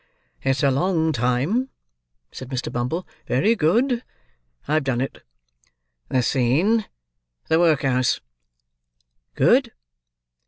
"It's a long time," said Mr. Bumble. "Very good. I've done it." "The scene, the workhouse." "Good!"